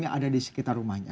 yang ada di sekitar rumahnya